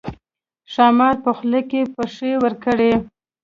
ښامار په خوله کې پښې ورکړې.